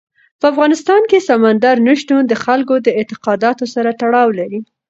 په افغانستان کې سمندر نه شتون د خلکو د اعتقاداتو سره تړاو لري.